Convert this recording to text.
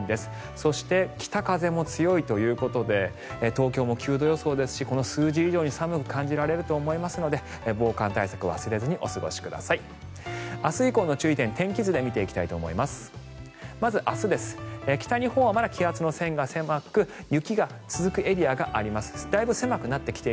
そして、北風も強いということで東京も９度予想ですしこの数字以上に寒く感じられると思いますので防寒対策、忘れずにお過ごしください。